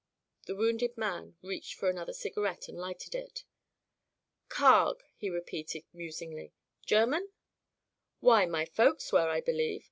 The wounded man reached for another cigarette and lighted it. "Carg," he repeated, musingly. "German?" "Why, my folks were, I believe.